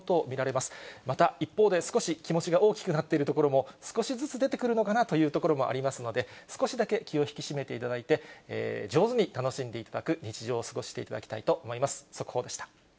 また、一方で少し、気持ちが大きくなっているところも少しずつ出てくるのかなというところもありますので、少しだけ気を引き締めていただいて、上手に楽しんでいただく日常を過ごしていただきたいと思います。